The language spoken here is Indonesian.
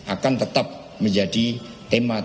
akan tetap menjadi tema